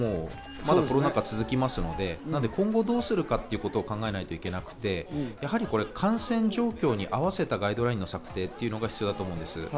まだコロナ禍は続きますので今後どうするかを考えなければいけなくて、感染状況に合わせたガイドラインの策定というのが必要だと思います。